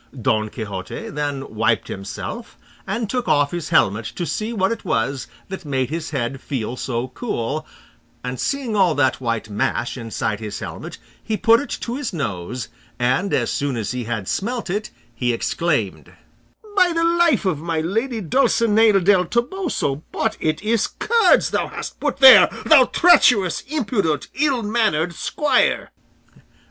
Don Quixote then wiped himself, and took off his helmet to see what it was that made his head feel so cool, and seeing all that white mash inside his helmet he put it to his nose, and as soon as he had smelt it he exclaimed: "By the life of my lady Dulcinea del Toboso, but it is curds thou hast put here, thou treacherous, impudent, ill mannered squire!"